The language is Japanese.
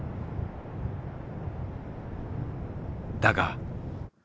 だが。